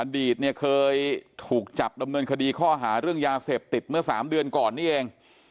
ตเนี่ยเคยถูกจับดำเนินคดีข้อหาเรื่องยาเสพติดเมื่อ๓เดือนก่อนนี่เอง